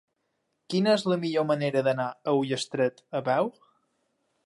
Quina és la millor manera d'anar a Ullastret a peu?